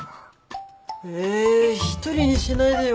ええ一人にしないでよ。